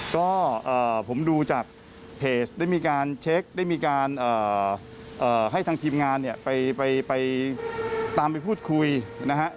ก็ผมดูจากเพจได้มีการเช็คได้มีการให้ทางทีมงานเนี่ยไปตามไปพูดคุยนะฮะ